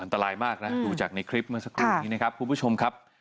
ตลาดมากคุณผู้ชม